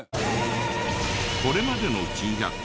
これまでの珍百景